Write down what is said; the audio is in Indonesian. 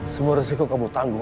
semua resiko kamu tangguh